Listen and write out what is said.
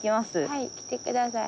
はい来て下さい。